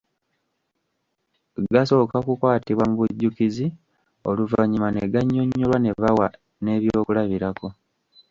Gasooka kukwatibwa mu bujjukizi, oluvannyuma ne gannyonnyolwa ne bawa n'ebyokulabirako.